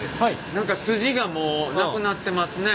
何か筋がもうなくなってますね。